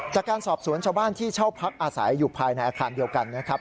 จากการสอบสวนชาวบ้านที่เช่าพักอาศัยอยู่ภายในอาคารเดียวกันนะครับ